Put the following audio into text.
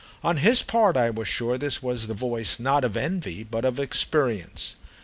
On his part, I was sure, this was the voice not of envy but of experience.